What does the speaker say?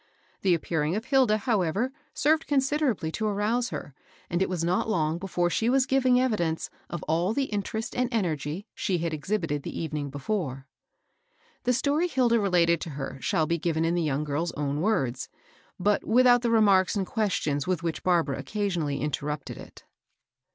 The appearing of Hilda, however, served con siderably to arouse her, and it was not long before fl]be was giving evidence of all the interest and en ^gy she had exhibited the evening before. The story Hilda related to her shall be given ia \ BABBAAA JStRAlUD. 409 the young girl's own words, but without the re marks and questions with which Barbara occasion ally interrupted it.